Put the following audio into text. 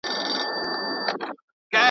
کیسې د انسان په ذهن کي انځورونه جوړوي.